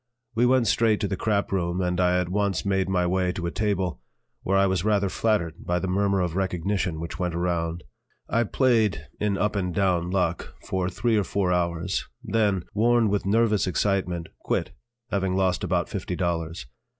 We went straight to the "crap" room, and I at once made my way to a table, where I was rather flattered by the murmur of recognition which went around. I played in up and down luck for three or four hours; then, worn with nervous excitement, quit, having lost about fifty dollars.